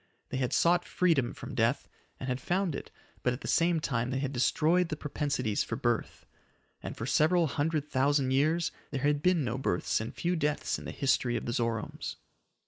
They had sought freedom from death, and had found it, but at the same time they had destroyed the propensities for birth. And for several hundred thousand years there had been no births and few deaths in the history of the Zoromes.